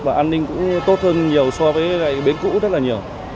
và an ninh cũng tốt hơn nhiều so với lại bến cũ rất là nhiều